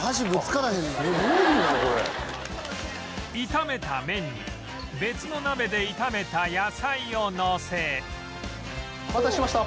炒めた麺に別の鍋で炒めた野菜をのせお待たせしました。